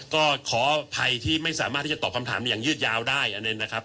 ก็ขออภัยที่ไม่สามารถที่จะตอบคำถามอย่างยืดยาวได้อันหนึ่งนะครับ